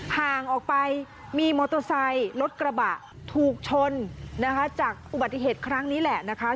ห่างออกไปมีมอเตอร์ไซค์รถกระบะถูกชนนะคะจากอุบัติเหตุครั้งนี้แหละนะคะ